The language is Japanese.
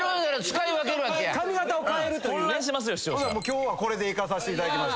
今日はこれでいかさせていただきます。